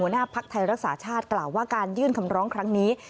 ภักดิ์ไทยรักษาชาติกล่าวว่าการยื่นคำร้องครั้งนี้